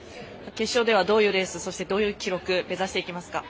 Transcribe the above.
決勝ではどういうレース、記録を目指していきますか？